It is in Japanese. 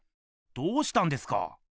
どうしたんですか？